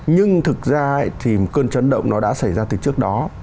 nhưng thực ra thì cơn chấn động nó đã xảy ra từ trước đó